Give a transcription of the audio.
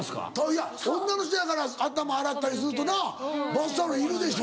いや女の人やから頭洗ったりするとなバスタオルいるでしょ。